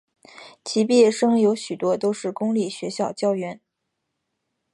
其毕业生有许多都是公立学校教员。